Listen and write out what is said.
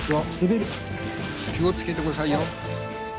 気をつけてくださいよ。